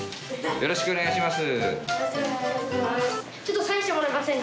よろしくお願いします。